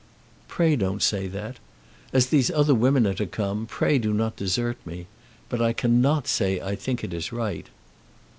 "Pray don't say that. As these other women are to come, pray do not desert me. But I cannot say I think it is right."